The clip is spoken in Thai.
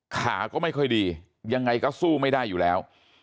ขาก็ไม่ค่อยดียังไงก็สู้ไม่ได้อยู่แล้ว